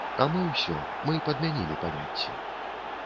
А мы ўсё, мы падмянілі паняцці.